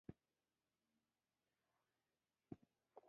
له خپلو نوکرانو سره یې ډېر ښه چلند درلود.